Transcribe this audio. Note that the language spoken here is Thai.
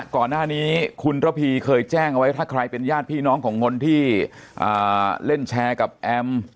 ก่อนหน้านี้คุณระพีเคยแจ้งเอาไว้ถ้าใครเป็นญาติพี่น้องของคนที่เล่นแชร์กับแอม